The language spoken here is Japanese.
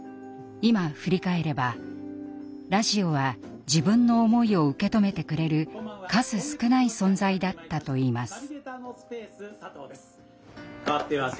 今振り返ればラジオは自分の思いを受け止めてくれる数少ない存在だったといいます。